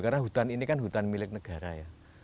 karena hutan ini kan hutan milik negara ya